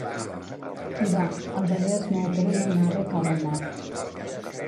Hi va, el veler es mou per una onada i cau al mar.